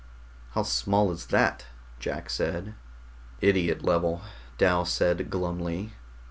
"How small is that?" Jack said. "Idiot level," Dal said glumly.